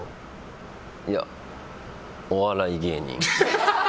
いや、お笑い芸人。